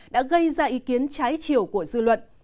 đã gây ra ý kiến trái chiều của dư luận